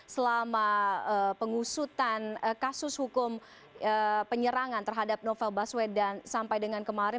selama pengusutan kasus hukum penyerangan terhadap novel baswedan sampai dengan kemarin